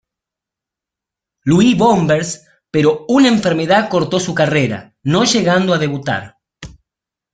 Louis Bombers, pero una enfermedad cortó su carrera, no llegando a debutar.